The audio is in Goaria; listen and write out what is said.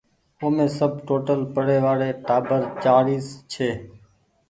اومي سب ٽوٽل پڙي وآڙي ٽآٻر چآڙيس ڇي۔